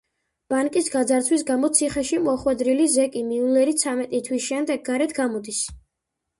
ბანკის გაძარცვის გამო ციხეში მოხვედრილი ზეკი მიულერი ცამეტი თვის შემდეგ გარეთ გამოდის.